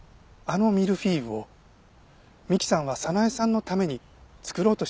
あのミルフィーユを美希さんは早苗さんのために作ろうとしていました。